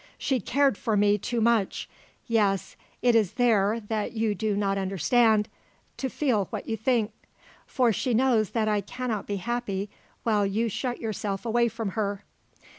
"She cared for me too much yes, it is there that you do not understand to feel what you think. For she knows that I cannot be happy while you shut yourself away from her."